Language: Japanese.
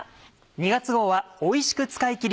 ２月号はおいしく使いきり。